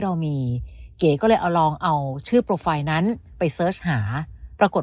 เรามีเก๋ก็เลยเอาลองเอาชื่อโปรไฟล์นั้นไปเสิร์ชหาปรากฏ